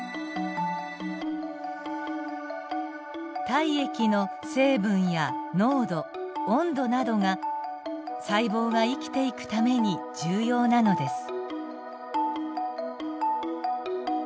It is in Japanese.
体液の成分や濃度温度などが細胞が生きていくために重要なのです。